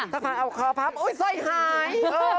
ถ้าฟังเอาคอพับอุ๊ยซ่อยหาย